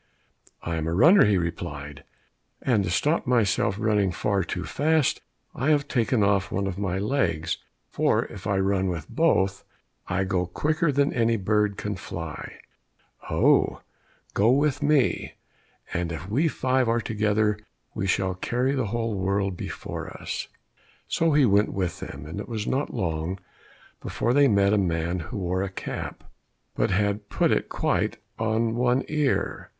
"I am a runner," he replied, "and to stop myself running far too fast, I have taken off one of my legs, for if I run with both, I go quicker than any bird can fly." "Oh, go with me. If we five are together, we shall carry the whole world before us." So he went with them, and it was not long before they met a man who wore a cap, but had put it quite on one ear.